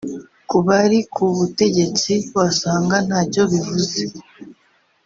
Ku bari ku butegetsi wasanga ntacyo bivuze